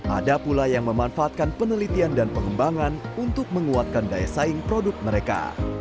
ada pula yang memanfaatkan penelitian dan pengembangan untuk menguatkan daya saing produk mereka